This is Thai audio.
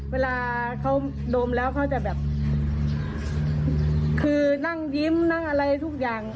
เวลาเขาดมแล้วเขาจะแบบคือนั่งยิ้มนั่งอะไรทุกอย่าง